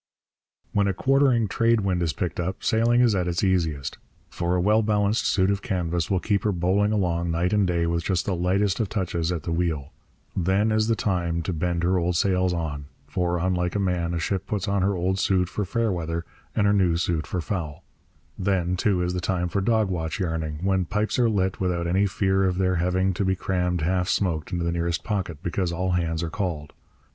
When a quartering trade wind is picked up sailing is at its easiest; for a well balanced suit of canvas will keep her bowling along night and day with just the lightest of touches at the wheel. Then is the time to bend her old sails on; for, unlike a man, a ship puts on her old suit for fair weather and her new suit for foul. Then, too, is the time for dog watch yarning, when pipes are lit without any fear of their having to be crammed half smoked into the nearest pocket because all hands are called.